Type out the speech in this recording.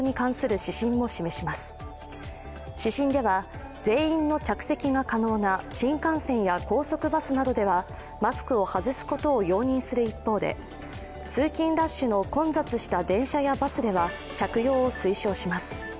指針では、全員の着席が可能な新幹線や高速バスなどではマスクを外すことを容認する一方で通勤ラッシュの混雑した電車やバスでは着用を推奨します。